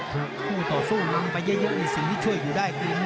คู่ต่อสู้นำไปเยอะในสิ่งที่ช่วยอยู่ได้คือ